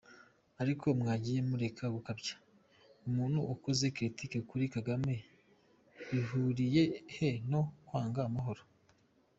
Ariko mwagiye mureka gukabya , umuntu ukoze critique kuri Kagame bihuriye he no kwanga amahoro ?